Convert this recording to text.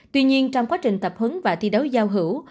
tuy nhiên trong quá trình tập huấn và thi đấu giao hữu